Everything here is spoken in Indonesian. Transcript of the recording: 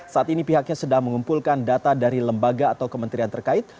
saat ini pihaknya sedang mengumpulkan data dari lembaga atau kementerian terkait